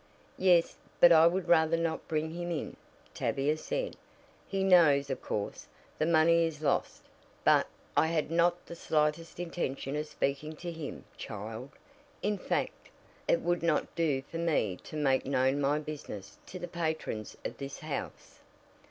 "Yes but I would rather not bring him in," Tavia said. "He knows, of course, the money is lost, but " "I had not the slightest intention of speaking to him, child. In fact, it would not do for me to make known my business to the patrons of this house.